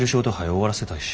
終わらせたいし。